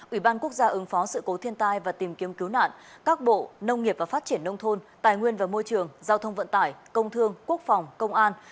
ủy ban quốc gia ứng phó sự cố thiên tai và tìm kiếm cứu nạn các bộ nông nghiệp và phát triển nông thôn tài nguyên và môi trường giao thông vận tải công thương quốc phòng công an